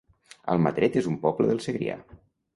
Almatret es un poble del Segrià